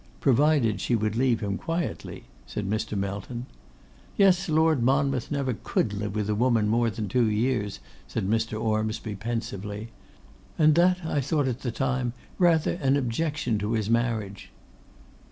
'Provided she would leave him quietly,' said Mr. Melton. 'Yes, Lord Monmouth never could live with a woman more than two years,' said Mr. Ormsby, pensively. 'And that I thought at the time rather an objection to his marriage.